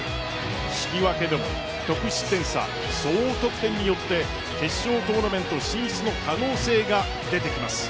引き分けでも得失点差総得点によって決勝トーナメント進出の可能性が出てきます。